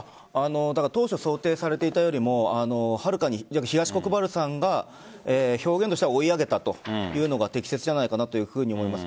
当初想定されていたよりもはるかに東国原さんが表現としては追い上げたというのが適切じゃないかなと思います。